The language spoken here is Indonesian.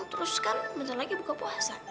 terus kan sebentar lagi buka puasa